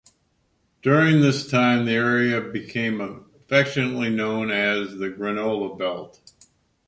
During this time, the area became affectionately known as "The Granola Belt".